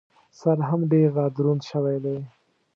سر هم ډېر را دروند شوی دی.